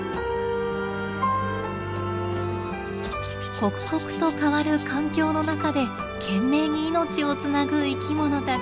刻々と変わる環境の中で懸命に命をつなぐ生きものたち。